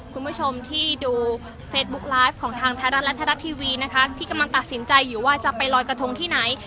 คุณผู้ชมที่ดูเฟซบุ๊กไลฟ์ของทางไทยรัฐและไทยรัฐทีวีนะคะที่กำลังตัดสินใจอยู่ว่าจะไปลอยกระทงที่ไหน